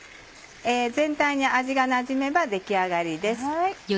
全体に味がなじめば出来上がりです。